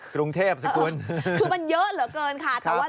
กรุงเทพสิคุณคือมันเยอะเหลือเกินค่ะ